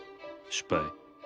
失敗？